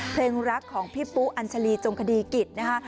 เพลงรักของพี่ปุ๊อัญชาลีจงคดีกิจนะคะ